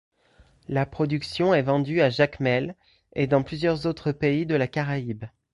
La production est vendue à Jacmel et dans plusieurs autres pays de la Caraïbe.